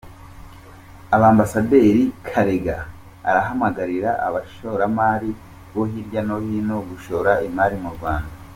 Ambasaderi Karega arahamagarira abashoramari bo hirya no hino gushora imari mu Rwanda.